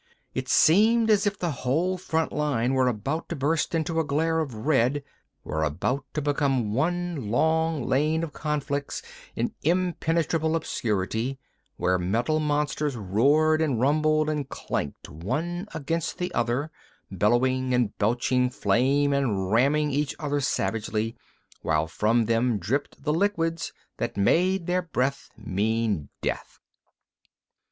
It seemed as if the whole front line were about to burst into a glare of red, were about to become one long lane of conflicts in impenetrable obscurity, where metal monsters roared and rumbled and clanked one against the other, bellowing and belching flame and ramming each other savagely, while from them dripped the liquids that made their breath mean death.